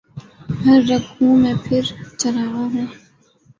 ہر رگ خوں میں پھر چراغاں ہو